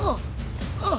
あっ！